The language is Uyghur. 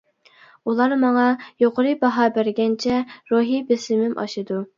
ئۇلار ماڭا يۇقىرى باھا بەرگەنچە روھىي بېسىمىم ئاشىدۇ.